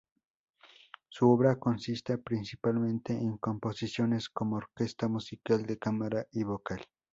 Su obra consiste principalmente en composiciones para orquesta, música de cámara y vocal.